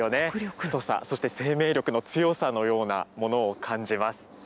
太さ、そして生命力の強さのようなものを感じます。